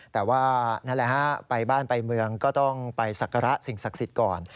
แต่ว่านั่นแหละฮะไปบ้านไปเมืองก็ต้องไปสักการะสิ่งศักดิ์สิทธิ์ก่อน